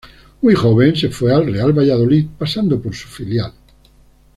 Muy joven se fue al Real Valladolid pasando por su filial.